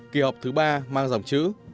kỳ họp thứ ba mang dòng chữ